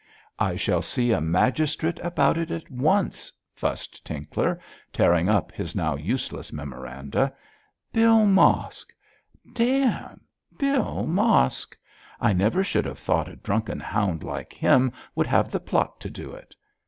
'I shall see a magistrate about it at once,' fussed Tinkler, tearing up his now useless memoranda. 'Bill Mosk! Damme! Bill Mosk! I never should have thought a drunken hound like him would have the pluck to do it.